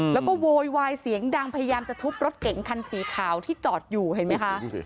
แล้วก็โวยวายเสียงดังพยายามจะทุบรถเก๋งคันสีขาวที่จอดอยู่เห็นไหมคะ